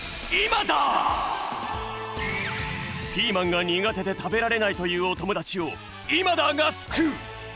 ピーマンが苦手で食べられないというおともだちをイマダーがすくう！